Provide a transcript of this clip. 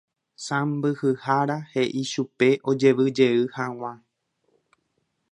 Sãmbyhyhára he'i chupe ojevyjey hag̃ua